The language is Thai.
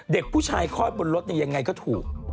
เด็กผู้ชายคลอดบนรถยังไงก็ถูก